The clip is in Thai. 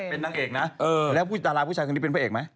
เป็นนางเอกนะแล้วพูดดาราผู้ชายคนนี้เป็นพระเอกไหม